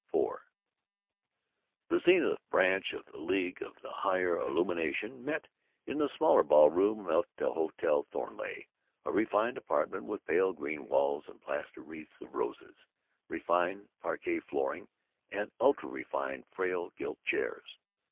IV The Zenith branch of the League of the Higher Illumination met in the smaller ballroom at the Hotel Thornleigh, a refined apartment with pale green walls and plaster wreaths of roses, refined parquet flooring, and ultra refined frail gilt chairs.